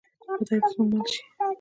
خدای دې زموږ مل شي؟